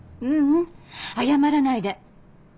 ううん謝らないで。